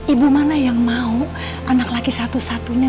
ibu mana yang mau anak laki satu satunya